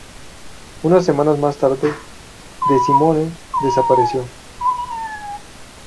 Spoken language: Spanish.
Unas semanas más tarde, DeSimone desapareció.